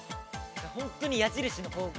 本当に矢印の方向。